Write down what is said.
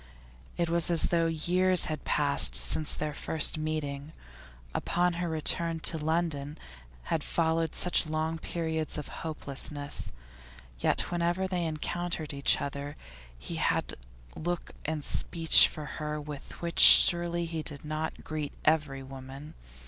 It was as though years had passed since their first meeting. Upon her return to London had followed such long periods of hopelessness. Yet whenever they encountered each other he had look and speech for her with which surely he did not greet every woman.